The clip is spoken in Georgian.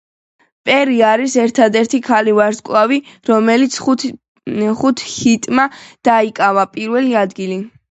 პერი არის ერთადერთი ქალი ვარსკვლავი, რომლის ხუთი ჰიტმა დაიკავა პირველი ადგილი.